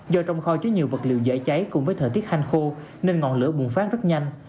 do trong kho chứa nhiều vật liệu dễ cháy cùng với thời tiết hanh khô nên ngọn lửa bùng phát rất nhanh